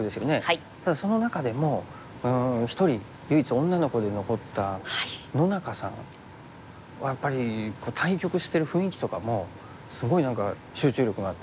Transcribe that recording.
ただその中でも１人唯一女の子で残った野中さんはやっぱり対局してる雰囲気とかもすごい何か集中力があって迫力があって。